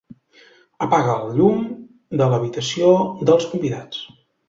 Apaga el llum de l'habitació dels convidats.